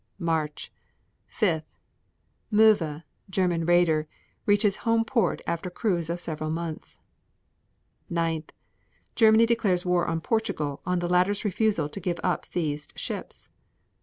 March 5. Moewe, German raider, reaches home port after a cruise of several months. 9. Germany declares war on Portugal on the latter's refusal to give up seized ships.